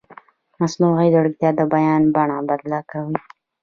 مصنوعي ځیرکتیا د بیان بڼه بدله کوي.